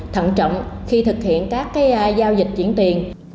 thận trọng khi thực hiện các giao dịch chuyển tiền